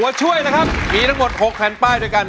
ตัวช่วยนะครับมีทั้งหมด๖แผ่นป้ายด้วยกัน